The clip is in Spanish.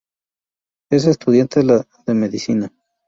Es estudiante de medicina.